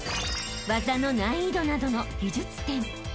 ［技の難易度などの技術点］